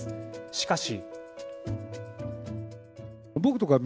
しかし。